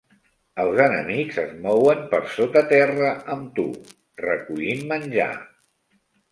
Els enemics es mouen per sota terra amb tu, recollint menjar.